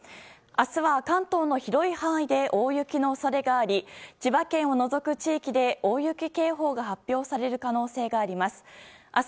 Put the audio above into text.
明日は関東の広い範囲で大雪の恐れがあり千葉県を除く地域で大雪警報が発表される可能性があります。